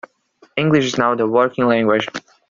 English is now the working language.